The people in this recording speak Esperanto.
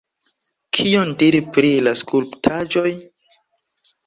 Kion diri pri la skulptaĵoj?